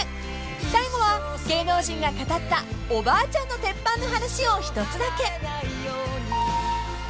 ［最後は芸能人が語ったおばあちゃんの鉄板の話を一つだけ］